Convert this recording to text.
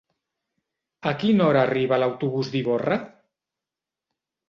A quina hora arriba l'autobús d'Ivorra?